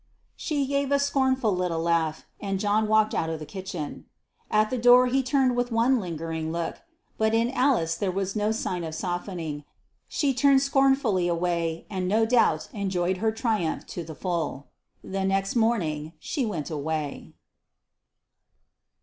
She gave a scornful little laugh, and John walked out of the kitchen. At the door he turned with one lingering look; but in Alice there was no sign of softening. She turned scornfully away, and no doubt enjoyed her triumph to the full. The next morning she went away.